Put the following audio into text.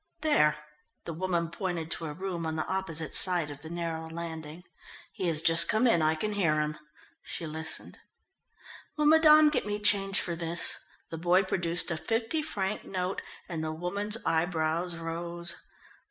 "There!" The woman pointed to a room on the opposite side of the narrow landing. "He has just come in, I can hear him." She listened. "Will madame get me change for this?" The boy produced a fifty franc note, and the woman's eyebrows rose.